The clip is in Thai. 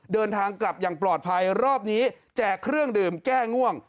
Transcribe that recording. เดินทางกลับอย่างปลอดภัยรอบนี้แจกเครื่องดื่มแก้ง่วง